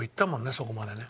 そこまでね。